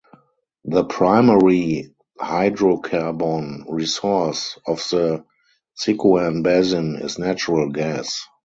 The primary hydrocarbon resource of the Sichuan Basin is natural gas.